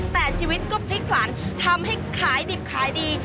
แต่ชีวิตก็พลิกผลันทำให้ขายดิบขายดี